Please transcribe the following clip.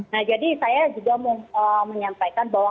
nah jadi saya juga menyampaikan bahwa